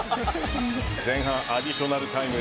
前半アディショナルタイム